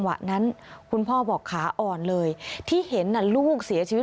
พาพนักงานสอบสวนสนราชบุรณะพาพนักงานสอบสวนสนราชบุรณะ